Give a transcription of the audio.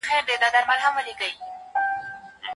ابداليان د افغانستان د بقا او خپلواکۍ ضامن دي.